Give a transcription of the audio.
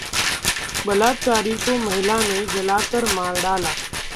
बलात्कारी को महिला ने जलाकर मार डाला